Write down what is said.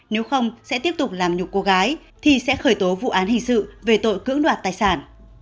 nếu không sẽ tiếp tục làm nhục cô gái thì sẽ khởi tố vụ án hình sự về tội cưỡng đoạt tài sản